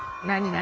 何？